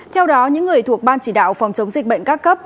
theo đó những người thuộc ban chỉ đạo phòng chống dịch bệnh các cấp